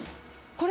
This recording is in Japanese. これ？